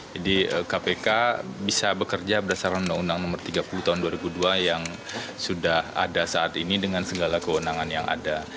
jadi kpk bisa bekerja berdasarkan undang undang nomor tiga puluh tahun dua ribu dua yang sudah ada saat ini dengan segala keundangan yang ada